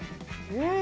うん！